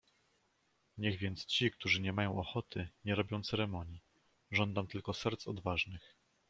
"Niech więc ci, którzy niemają ochoty, nie robią ceremonii; żądam tylko serc odważnych."